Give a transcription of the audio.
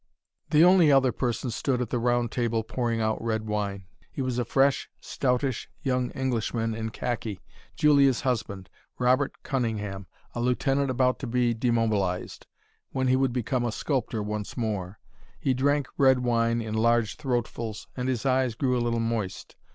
The only other person stood at the round table pouring out red wine. He was a fresh, stoutish young Englishman in khaki, Julia's husband, Robert Cunningham, a lieutenant about to be demobilised, when he would become a sculptor once more. He drank red wine in large throatfuls, and his eyes grew a little moist.